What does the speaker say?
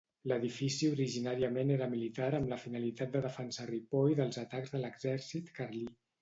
L'edifici originàriament era militar amb la finalitat de defensar Ripoll dels atacs de l'exèrcit carlí.